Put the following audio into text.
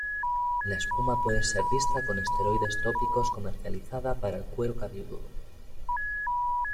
La espuma puede ser vista con esteroides tópicos comercializada para el cuero cabelludo.